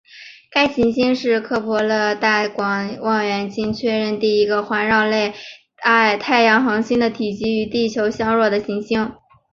该行星是克卜勒太空望远镜确认第一个环绕类太阳恒星的体积与地球相若的行星。